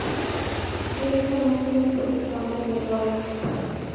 Es conocido por su campo de golf.